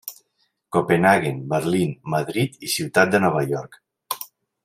Copenhaguen, Berlín, Madrid i Ciutat de Nova York.